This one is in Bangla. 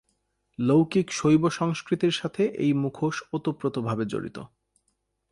লৌকিক শৈব সংস্কৃতির সাথে এই মুখোশ ওতপ্রোতভাবে জড়িত।